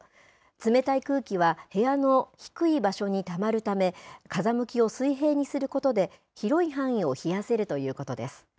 冷たい空気は、部屋の低い場所にたまるため、風向きを水平にすることで広い範囲を冷やせるということです。